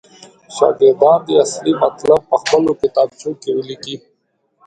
شاګردان دې اصلي مطلب پخپلو کتابچو کې ولیکي.